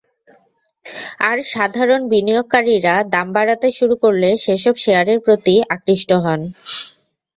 আর সাধারণ বিনিয়োগকারীরা দাম বাড়াতে শুরু করলে সেসব শেয়ারের প্রতি আকৃষ্ট হন।